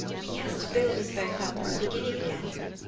He has to build us both up from the beginning again.